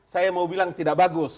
saya mau bilang tidak bagus